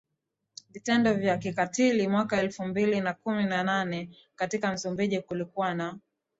vitendo vya kikatiliMwaka elfu mbili na kumi na nane katika Msumbiji kulikuwa na